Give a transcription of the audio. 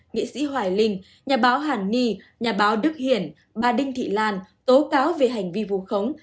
nghệ sĩ hoài linh nhà báo hàn ni nhà báo đức hiển bà đinh thị lan tố cáo về hành vi vu khống